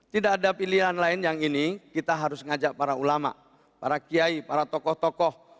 tidak ada pilihan lain yang ini kita harus ngajak para ulama para kiai para tokoh tokoh